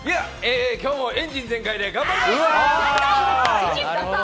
今日もエンジン全開で頑張ります！